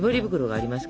ありますよ。